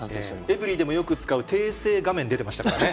エブリィでもよく使う訂正画面出てましたからね。